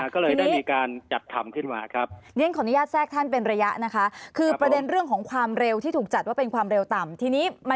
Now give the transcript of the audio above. ก็เลยได้มีการจัดทำขึ้นมาครับ